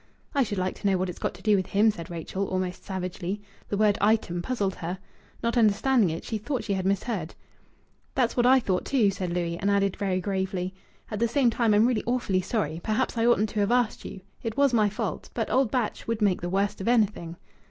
"I should like to know what it's got to do with him!" said Rachel, almost savagely. The word "item" puzzled her. Not understanding it, she thought she had misheard. "That's what I thought, too," said Louis, and added, very gravely: "At the same time I'm really awfully sorry. Perhaps I oughtn't to have asked you. It was my fault. But old Batch would make the worst of anything."